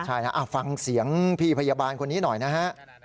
ใช่นะฟังเสียงพี่พยาบาลคนนี้หน่อยนะฮะ